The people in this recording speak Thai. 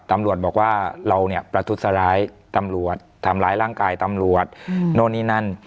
ตำรวจบอกว่าเราเนี่ยประทุษร้ายตำรวจทำร้ายร่างกายตำรวจโน่นนี่นั่น